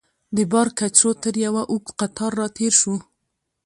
د بار کچرو تر یوه اوږد قطار راتېر شوو.